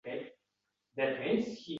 Eshitilar quloqqa.